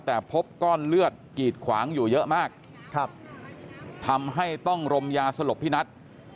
แต่พบก้อนเลือดกีดขวางอยู่เยอะมากทำให้ต้องรมยาสลบพินัท